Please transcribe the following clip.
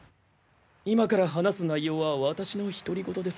今から話す内容は私の独り言です。